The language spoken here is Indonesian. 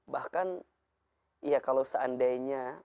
bahkan ya kalau seandainya